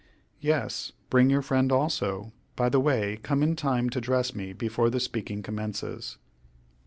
"Yes, bring your friend also. By the way, come in time to dress me before the speaking commences."